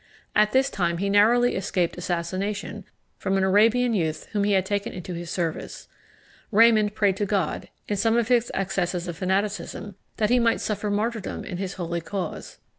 At this time he narrowly escaped assassination from an Arabian youth whom he had taken into his service. Raymond had prayed to God, in some of his accesses of fanaticism, that he might suffer martyrdom in his holy cause.